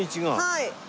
はい。